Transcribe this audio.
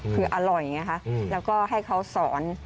คืออร่อยไงคะแล้วก็ให้เขาสอน